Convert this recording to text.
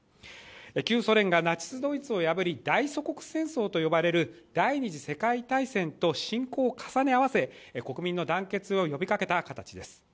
旧ソ連がナチス・ドイツを破り大祖国戦争と呼ばれる第二次世界大戦と侵攻を重ね合わせ、国民の団結を呼びかけた形です。